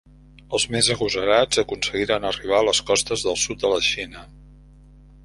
Els més agosarats aconseguiren arribar a les costes del sud de la Xina.